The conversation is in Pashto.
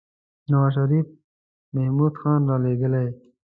نوازشريف محمود خان رالېږي.